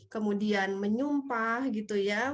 kemudian menyumpah gitu ya